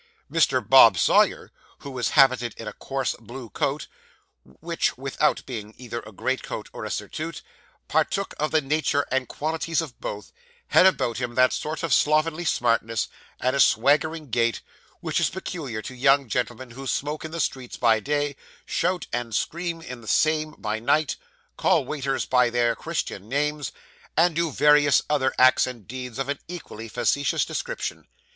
Mr. Bob Sawyer, who was habited in a coarse, blue coat, which, without being either a greatcoat or a surtout, partook of the nature and qualities of both, had about him that sort of slovenly smartness, and swaggering gait, which is peculiar to young gentlemen who smoke in the streets by day, shout and scream in the same by night, call waiters by their Christian names, and do various other acts and deeds of an equally facetious description.